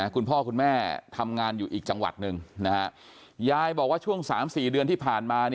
คุณพ่อคุณแม่ทำงานอยู่อีกจังหวัดหนึ่งยายบอกว่าช่วง๓๔เดือนที่ผ่านมา